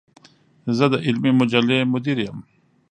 زۀ د علمي مجلې مدير يم.